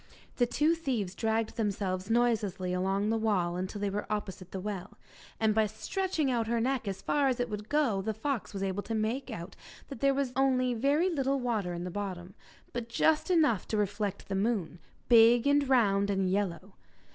The two thieves dragged themselves noiselessly along the wall till they were opposite the well, and by stretching out her neck as far as it would go the fox was able to make out that there was only very little water in the bottom, but just enough to reflect the moon, big, and round and yellow.